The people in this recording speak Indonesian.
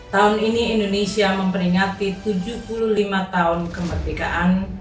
tahun ini indonesia memperingati tujuh puluh lima tahun kemerdekaan